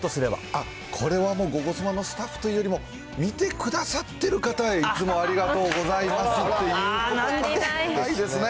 あっ、これはもう、ゴゴスマのスタッフというよりも、見てくださってる方へ、いつもありがとうございますっていうことですね。